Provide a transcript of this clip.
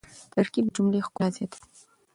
ترکیب د جملې ښکلا زیاتوي.